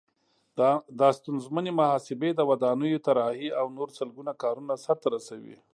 دا ستونزمنې محاسبې، د ودانیو طراحي او نور سلګونه کارونه سرته رسوي.